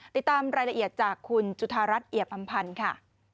ติดตามรายละเอียดจากคุณจุธารัฐเอียบอำพันธ์ค่ะ